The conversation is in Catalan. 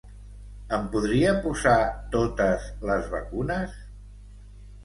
Em podria posar totes les vacunes?